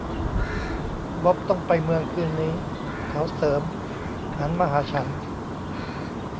บ๊อบต้องไปเมืองคืนนี้ เขาเสริมหันมาหาฉัน